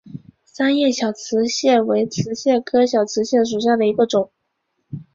三叶小瓷蟹为瓷蟹科小瓷蟹属下的一个种。